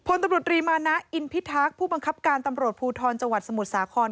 พลตำรวจรีมานะอินพิทักษ์ผู้บังคับการตำรวจภูทรจังหวัดสมุทรสาคร